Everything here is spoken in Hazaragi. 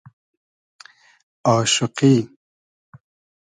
آشوقی